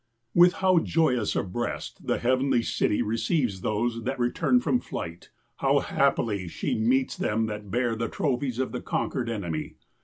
BEDE With how joyous a breast the heavenly city re ceives those that return from flight! How hap pily she meets them that bear the trophies of the conquered enemy!